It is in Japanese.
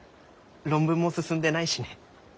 論文も進んでないしね。